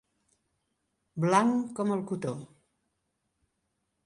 Blanc com el cotó.